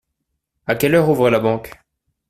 À quelle heure ouvre la banque ?